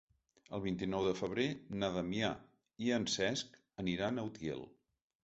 El vint-i-nou de febrer na Damià i en Cesc aniran a Utiel.